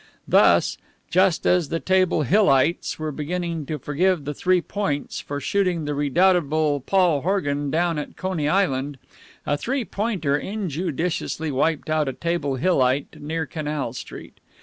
Thus, just as the Table Hillites were beginning to forgive the Three Points for shooting the redoubtable Paul Horgan down at Coney Island, a Three Pointer injudiciously wiped out a Table Hillite near Canal Street.